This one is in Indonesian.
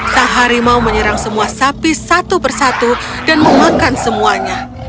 sehari mau menyerang semua sapi satu persatu dan memakan semuanya